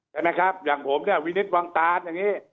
ใช่ไหมครับอย่างผมเนี่ยวินิตวังตานอย่างนี้